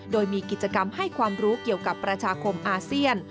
โดยมีกิจกรรมให้ความรู้เกี่ยวกับประชาคมอาเซียน